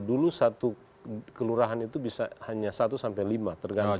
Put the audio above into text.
dulu satu kelurahan itu bisa hanya satu sampai lima tergantung